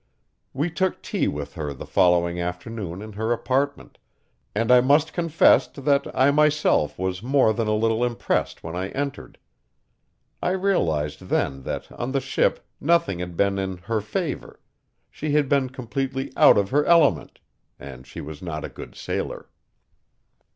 We took tea with her the following afternoon in her apartment, and I must confess that I myself was more than a little impressed when I entered. I realized then that on the ship nothing had been in her favor; she had been completely out of her element, and she was not a good sailor.